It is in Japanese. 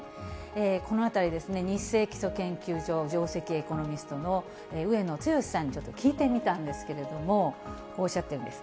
このあたり、ニッセイ基礎研究所上席エコノミストの上野剛志さんにちょっと聞いてみたんですけれども、こうおっしゃってるんです。